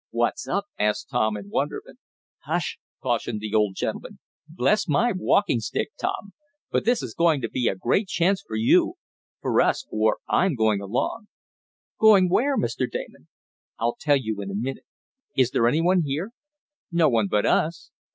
"What's up?" asked Tom in wonderment. "Hush!" cautioned the odd gentleman. "Bless my walking stick, Tom! but this is going to be a great chance for you for us, for I'm going along." "Going where, Mr. Damon?" "I'll tell you in a minute. Is there any one here?" "No one but us?"